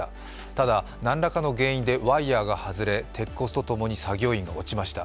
ただ何らかの原因でワイヤーが外れ、鉄骨とともに作業員が落ちました。